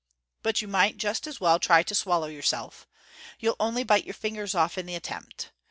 But you might just as well try to swallow yourself. You'll only bite your fingers off in the attempt.